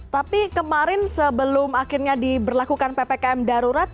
tapi kemarin sebelum akhirnya diberlakukan ppkm darurat